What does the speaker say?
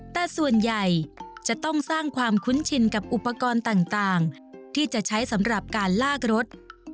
แต่ส่วนใหญ่จะต้องสร้างความคุ้นชินกับอุปกรณ์ต่างที่จะใช้สำหรับการลากรถ